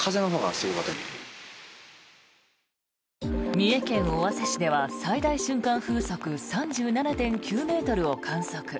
三重県尾鷲市では最大瞬間風速３７．９ｍを観測。